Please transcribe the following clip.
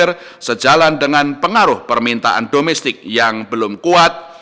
pertemangan tersebut dipengaruhi oleh permintaan domestik yang belum kuat